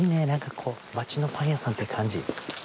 何かこうマチのパン屋さんって感じ。